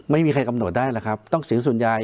ไม่มีใครกำโนตได้หรือครับต้องเสียงสุดยาย